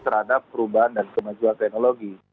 terhadap perubahan dan kemajuan teknologi